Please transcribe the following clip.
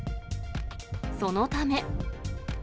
そのため。